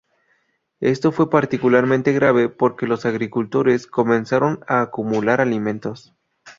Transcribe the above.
Esto fue particularmente grave porque los agricultores comenzaron a acumular alimentos.